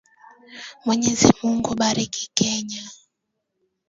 Mwenyezi Mungu Bariki Kenya.